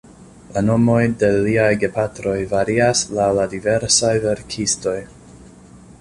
La nomoj de liaj gepatroj varias laŭ la diversaj verkistoj.